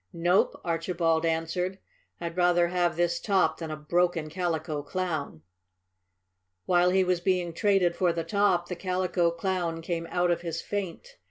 "Nope," Archibald answered. "I'd rather have this top than a broken Calico Clown." While he was being traded for the top the Calico Clown came out of his faint.